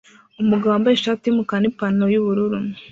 umugabo wambaye ishati yumukara nipantaro yubururu